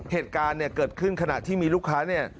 เหตุการณ์เกิดขึ้นขณะที่มีลูกค้านี่